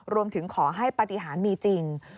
รวมถึงขอให้ปฏิหารมีจริง